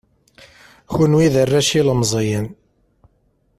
Kunwi d arrac ilemẓiyen.